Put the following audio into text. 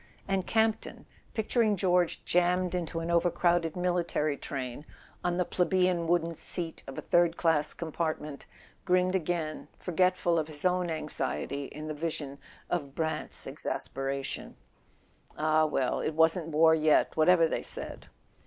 And Campton, picturing George jammed into an overcrowded military train, on the plebeian wooden seat of a third class compartment, grinned again, forgetful of his own anxiety in the vision of Brant's exasperation. Ah, well, it wasn't war yet, whatever they said!